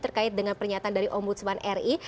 terkait dengan pernyataan dari om budswan ri